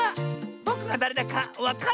ぼくはだれだかわかるセミ？